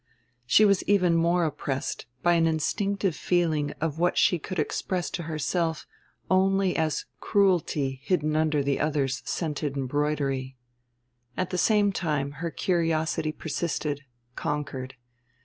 She was even more oppressed by an instinctive feeling of what she could express to herself only as cruelty hidden under the other's scented embroidery. At the same time her curiosity persisted, conquered.